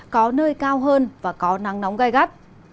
có nơi cao hơn và có nắng nóng gai gắt